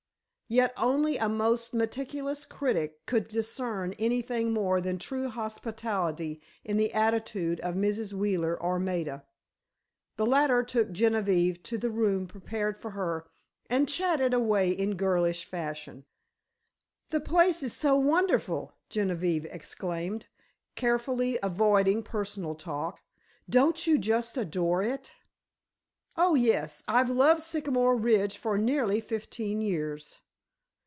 Yet only a most meticulous critic could discern anything more than true hospitality in the attitude of Mrs. Wheeler or Maida. The latter took Genevieve to the room prepared for her and chatted away in girlish fashion. "The place is so wonderful!" Genevieve exclaimed, carefully avoiding personal talk. "Don't you just adore it?" "Oh, yes. I've loved Sycamore Ridge for nearly fifteen years."